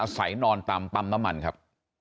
ใส่นอนตามปัมประมันครับ